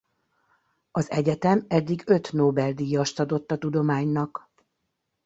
Az egyetem eddig öt Nobel-díjast adott a tudománynak.